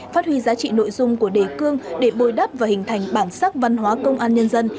phát huy giá trị nội dung của đề cương để bồi đắp và hình thành bản sắc văn hóa công an nhân dân